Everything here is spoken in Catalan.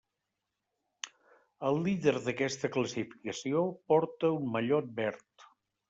El líder d'aquesta classificació porta un mallot verd.